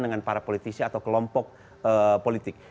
dengan para politisi atau kelompok politik